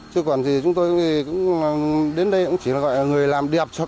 chứ còn gì chúng tôi đến đây cũng chỉ là người làm điệp cho cao bằng